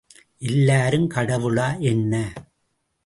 எல்லாரும் கடவுளா என்ன?